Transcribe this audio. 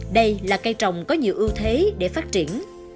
đây là cây trồng có nhiều ưu thế để phát triển